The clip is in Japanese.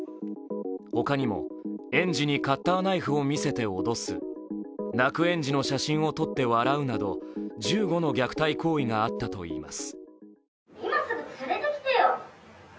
他にも、園児にカッターナイフを見せて脅す泣く園児の写真を撮って笑うなど、１５の虐待行為があったといいます。